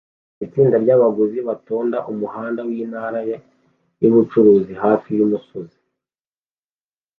Itsinda ryabaguzi batonda umuhanda wintara yubucuruzi hafi yumusozi